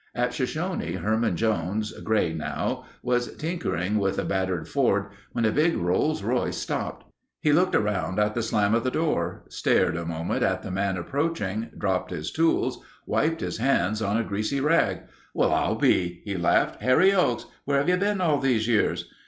At Shoshone, Herman Jones, grey now, was tinkering with a battered Ford when a big Rolls Royce stopped. He looked around at the slam of the door, stared a moment at the man approaching, dropped his tools, wiped his hands on a greasy rag. "Well, I'll be—" he laughed. "Harry Oakes—where've you been all these years?"